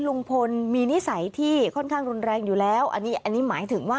ลุงพลมีนิสัยที่ค่อนข้างรุนแรงอยู่แล้วอันนี้อันนี้หมายถึงว่า